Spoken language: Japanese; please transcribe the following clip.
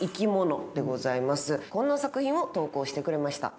こんな作品を投稿してくれました。